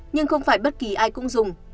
nhưng không phải bất kỳ ai cũng dùng